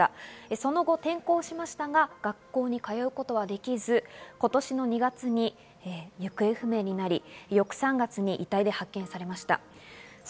その後、転校しましたが学校に通うことはできず、今年２月に行方不明になり、翌３月、遺体で発見されました。